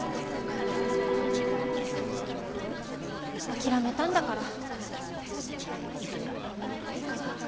諦めたんだから。